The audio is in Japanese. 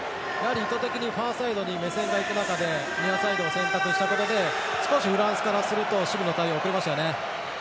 意図的にファーサイドに目線が行く中でニアサイドを選択したことで少し、フランスからすると守備の対応が遅れましたよね。